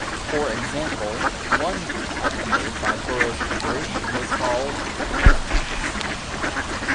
For example, one type made by Burroughs Corporation was called "Panaplex".